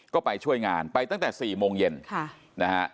ก็ไปช่วยงานไปตั้งแต่๔โมงเย็นนะฮะ